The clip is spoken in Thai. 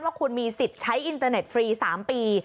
ว่าคุณมีสิทธิ์ใช้อินเตอร์เน็ตฟรี๓ปี